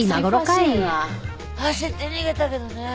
走って逃げたけどね。